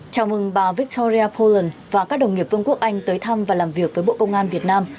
chào mừng bà victoria poland và các đồng nghiệp vương quốc anh tới thăm và làm việc với bộ công an việt nam